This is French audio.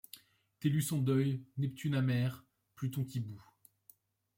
Tellus en deuil, Neptune amer, Pluton qui bout